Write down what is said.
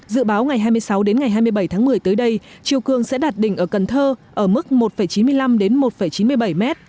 dự báo ngày hai mươi sáu đến ngày hai mươi bảy tháng một mươi tới đây chiều cường sẽ đạt đỉnh ở cần thơ ở mức một chín mươi năm đến một chín mươi bảy m